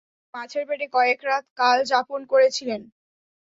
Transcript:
অথচ তিনি মাছের পেটে কয়েক রাত কাল যাপন করেছিলেন।